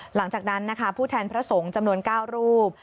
หลังจากนั้นนะคะผู้แทนพระสงฆ์จำนวน๙รูป